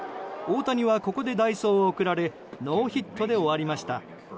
大谷はここで代走を送られノーヒットで終わりました。